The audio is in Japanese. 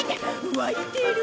沸いてる。